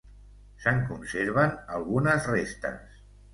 Se'n conserven algunes restes.